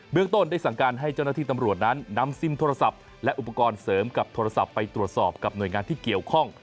เมืองต้นได้สั่งการให้เจ้าหน้าที่ตำรวจนั้นนำซิมโทรศัพท์และอุปกรณ์เสริมกับโทรศัพท์ไปตรวจสอบกับหน่วยงานที่เกี่ยวข้อง